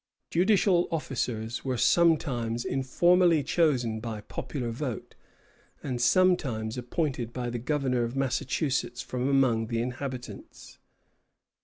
Judicial officers were sometimes informally chosen by popular vote, and sometimes appointed by the governor of Massachusetts from among the inhabitants.